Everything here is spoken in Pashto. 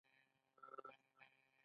ایا ژړا درځي؟